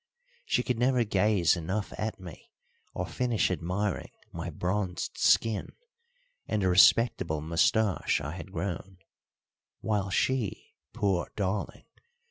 She could never gaze enough at me or finish admiring my bronzed skin and the respectable moustache I had grown; while she, poor darling!